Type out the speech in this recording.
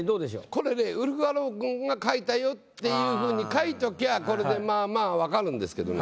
これねウルフアロン君が書いたよっていうふうに書いときゃこれでまあまあ分かるんですけどね。